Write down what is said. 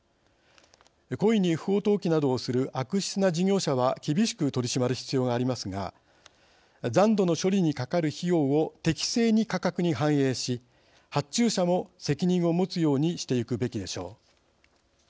故意に不法投棄などをする悪質な事業者は厳しく取り締まる必要がありますが残土の処理にかかる費用を適正に価格に反映し発注者も責任を持つようにしていくべきでしょう。